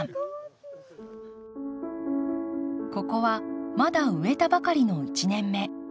ここはまだ植えたばかりの１年目。